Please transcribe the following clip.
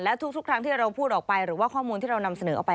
และทุกครั้งที่เราพูดออกไปหรือว่าข้อมูลที่เรานำเสนอออกไป